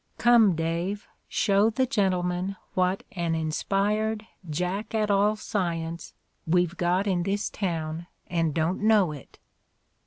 ... Come, Dave, show the gen tlemen what an inspired Jack at all science we've got in this town and don't know it."